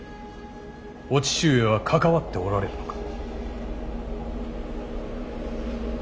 お父上は関わっておられるのか。